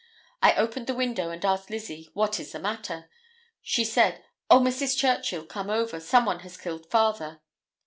I opened the window and asked Lizzie, what is the matter? She said: 'Oh, Mrs. Churchill, come over; some one has killed father.